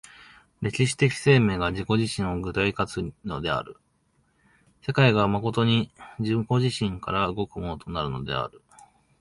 歴史的生命が自己自身を具体化するのである、世界が真に自己自身から動くものとなるのである。